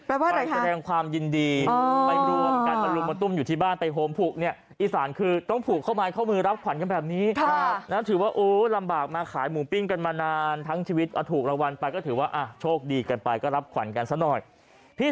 แปลว่าอะไรคะแปลว่าแสดงความยินดีไปรวมกันประลุมมาตุ้มอยู่ที่บ้านไปโฮมผลุกเนี่ย